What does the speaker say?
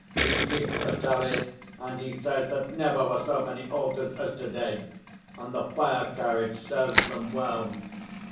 He keeps the tally, and he says that never were so many altars as today, and the fire carriage serves them well.